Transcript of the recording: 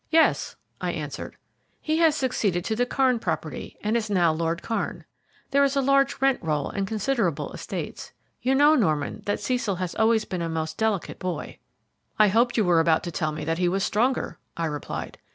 "Yes," I answered. "He has succeeded to the Kairn property, and is now Lord Kairn. There is a large rent roll and considerable estates. You know, Norman, that Cecil has always been a most delicate boy." "I hoped you were about to tell me that he was stronger," I replied.